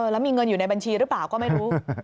แล้วมีเงินอยู่ในบัญชีหรือเปล่าก็ไม่รู้